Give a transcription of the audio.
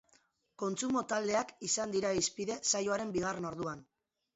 Kontsumo taldeak izango dira hizpide saioaren bigarren orduan.